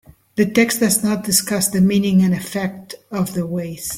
The text does not discuss the meaning and effect of the weights.